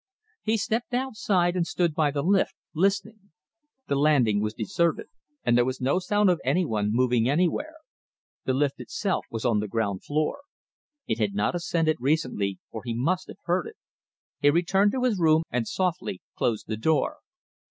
He stepped outside and stood by the lift, listening. The landing was deserted, and there was no sound of any one moving anywhere. The lift itself was on the ground floor. It had not ascended recently or he must have heard it. He returned to his room and softly closed the door.